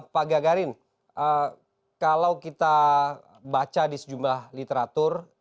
pak gagarin kalau kita baca di sejumlah literatur